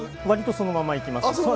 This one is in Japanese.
割とそのまま行きます。